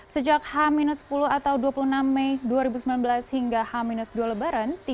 sejak h sepuluh atau dua puluh enam mei dua ribu sembilan belas hingga h dua lebaran